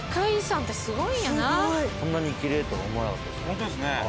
こんなにキレイだとは思わなかったです。